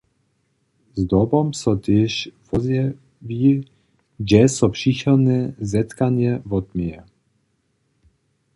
Zdobom so tež wozjewi, hdźe so přichodne zetkanje wotměje.